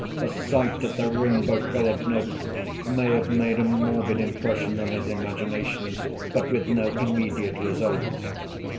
The sight of the rainbow‐colored notes may have made a morbid impression on his imagination, but with no immediate results.